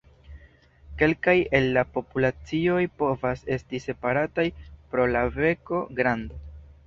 Kelkaj el la populacioj povas esti separataj pro la beko grando.